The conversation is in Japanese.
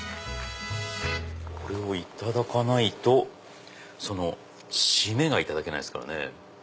これをいただかないと締めがいただけないですからね。